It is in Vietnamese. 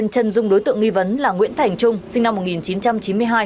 trần dung đối tượng nghi vấn là nguyễn thành trung sinh năm một nghìn chín trăm chín mươi hai